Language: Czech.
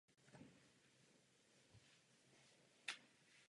Vyžaduje světlé stanoviště nebo polohy na výsluní.